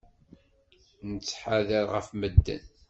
Nettḥadar ɣef medden.